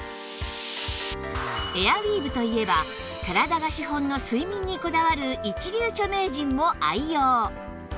エアウィーヴといえば体が資本の睡眠にこだわる一流著名人も愛用